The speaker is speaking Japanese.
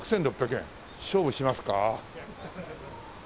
勝負しますか？